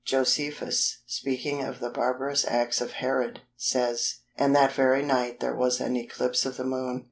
Josephus speaking of the barbarous acts of Herod, says:—"And that very night there was an eclipse of the Moon."